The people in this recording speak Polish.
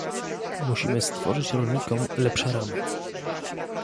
Musimy stworzyć rolnikom lepsze ramy